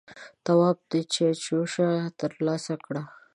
تواب چايجوشه تر لاسه کړه.